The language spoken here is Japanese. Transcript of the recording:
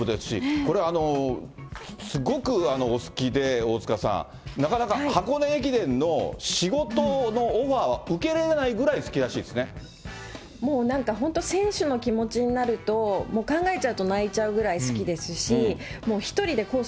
これ、すごくお好きで、大塚さん、なかなか箱根駅伝の仕事のオファーは受けられないぐらい好きらしもうなんか本当、選手の気持ちになると、考えちゃうと泣いちゃうぐらい好きですし、もう１人でコース